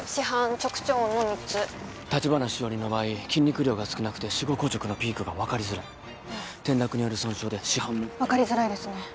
直腸温の三つ橘しおりの場合筋肉量が少なくて死後硬直のピークが分かりづらい転落による損傷で死斑も分かりづらいですね